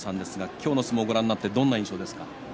今日の相撲をご覧になってどんな印象ですか？